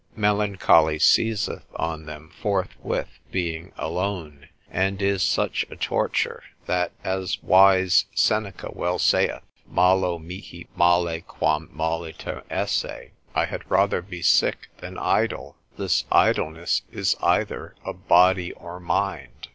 Melancholy seizeth on them forthwith being alone, and is such a torture, that as wise Seneca well saith, Malo mihi male quam molliter esse, I had rather be sick than idle. This idleness is either of body or mind.